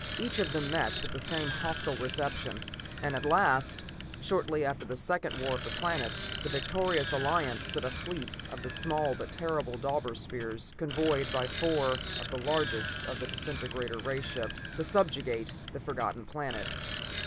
Each of them met with the same hostile reception, and at last, shortly after the second War of the Planets, the victorious Alliance sent a fleet of the small but terrible Deuber Spheres, convoyed by four of the largest of the disintegrator ray ships, to subjugate the Forgotten Planet.